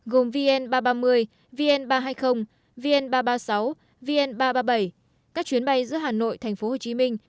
gồm vn ba trăm ba mươi vn ba trăm hai mươi vn ba trăm ba mươi sáu vn ba trăm ba mươi bảy các chuyến bay giữa hà nội thành phố hồ chí minh